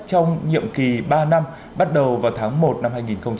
trong nhiệm kỳ ba năm bắt đầu vào tháng một năm hai nghìn hai mươi